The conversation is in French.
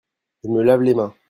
Je me lave les mains.